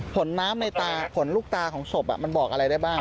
ผลน้ำในตาผลลูกตาของศพมันบอกอะไรได้บ้าง